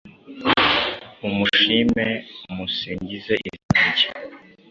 Mumushime, musingize izina rye